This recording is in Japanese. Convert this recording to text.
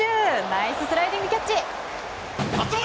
ナイススライディングキャッチ！